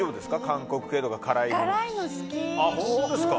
韓国系とか辛いの好き！